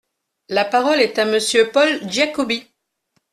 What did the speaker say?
La parole est à Monsieur Paul Giacobbi.